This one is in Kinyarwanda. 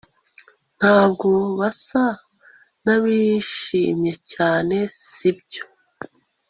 Ntabwo basa nabishimye cyane sibyo